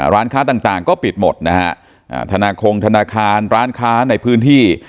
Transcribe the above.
ร้านค้าต่างก็ปิดหมดนะฮะธนาคงธนาคารร้านค้าในพื้นที่